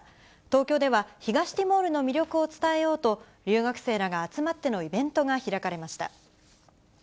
東京では、東ティモールの魅力を伝えようと、留学生らが集まってのイベントが開かれました。